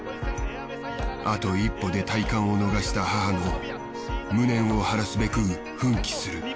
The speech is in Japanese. あと一歩で戴冠を逃した母の無念を晴らすべく奮起する。